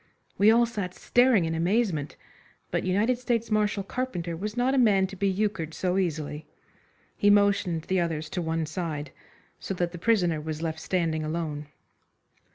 We all sat staring in amazement, but United States Marshal Carpenter was not a man to be euchred so easily. He motioned the others to one side, so that the prisoner was left standing alone.